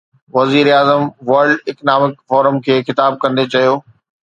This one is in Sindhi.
وزيراعظم ورلڊ اڪنامڪ فورم کي خطاب ڪندي چيو.